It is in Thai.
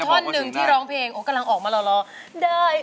แต่ว่ามีท่อนึงที่ร้องเพลงโอ้กำลังออกมารอได้